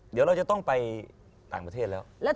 เดี๋ยวเราจะต้องไปต่างประเทศแล้ว